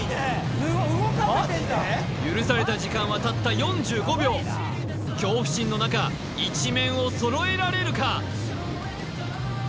許された時間はたった４５秒恐怖心の中１面を揃えられるか！？